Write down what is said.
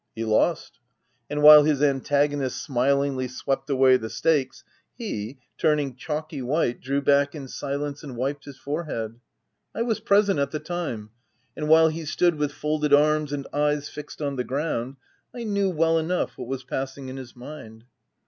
He lost ; and while his antagonist smilingly swept away the stakes, he, turning chalky white, drew back in silence and wiped his for3head. I was present at the time ; and while he stood with folded arms and eyes fixed on the ground, I knew well enough what was passing in his mind.